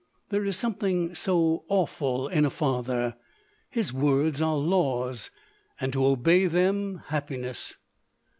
There is something so awful in a father. His words are laws, and to obey them happiness.